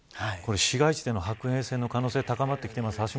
市街地での白兵戦の可能性は高まってきてます。